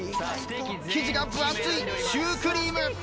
生地が分厚いシュークリーム。